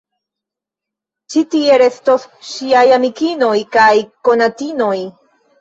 Ĉi tie restos ŝiaj amikinoj kaj konatinoj.